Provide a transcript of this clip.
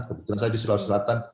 kebetulan saya di sulawesi selatan